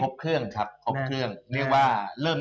ครบเครื่องครับครบเครื่อง